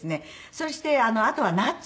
そしてあとはナッツ。